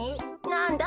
なんだ？